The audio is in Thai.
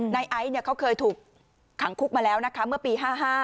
ไอซ์เขาเคยถูกขังคุกมาแล้วนะคะเมื่อปี๕๕